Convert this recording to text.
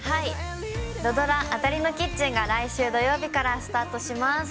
◆土ドラ「あたりのキッチン！」が来週土曜日からスタートします！